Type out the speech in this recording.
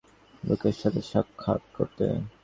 শহরতলীতে আসতে হয়েছে কিছু লোকের সাথে সাক্ষাৎ করতে।